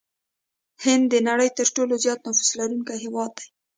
هند د نړۍ ترټولو زيات نفوس لرونکي هېواد دي.